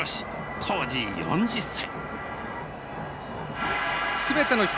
当時４０歳。